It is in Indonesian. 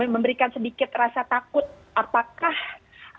memberikan sedikit rasa takut apakah ada sesuatu yang lebih serius di luar inggris